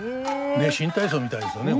ねえ新体操みたいですよね